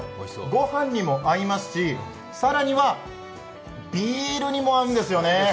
ご飯にも合いますし、更にはビールにも合うんですよね。